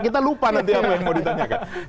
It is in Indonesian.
kita lupa nanti apa yang mau ditanyakan